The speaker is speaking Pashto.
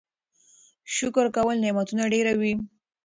شکر کول نعمتونه ډېروي.